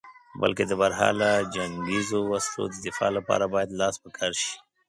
بلکې د برحاله جنګیزو وسلو د دفاع لپاره باید لاس په کار شې.